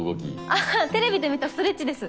あっテレビで見たストレッチです。